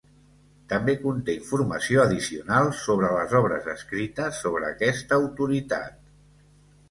També conté informació addicional sobre les obres escrites sobre aquesta autoritat.